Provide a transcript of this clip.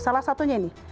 salah satunya ini